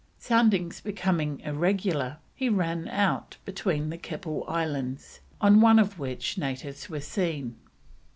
Soundings becoming very irregular, he ran out between the Keppel Islands, on one of which natives were seen.